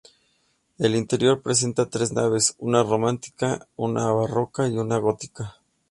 El interior presenta tres naves: una románica, una barroca y una gótica.